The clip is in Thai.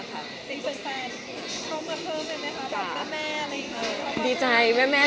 ดีใจแฟนเข้ามาเพิ่มใช่ไหมคะแม่อะไรอย่างนั้น